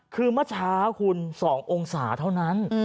คือเมื่อเช้าคุณ๒องศาเท่านั้น